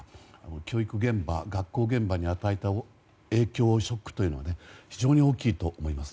教育現場、学校現場に与えた影響、ショックというのは非常に大きいと思います。